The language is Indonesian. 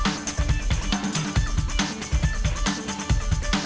selamat malam sampai jumpa